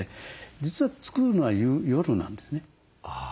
実は作るのは夜なんですね。